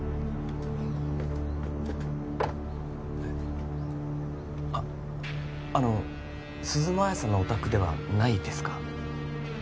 えっあっあの鈴間亜矢さんのお宅ではないですか？